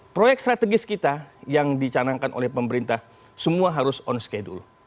proyek strategis kita yang dicanangkan oleh pemerintah semua harus on schedule